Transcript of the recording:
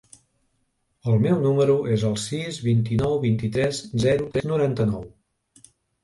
El meu número es el sis, vint-i-nou, vint-i-tres, zero, tres, noranta-nou.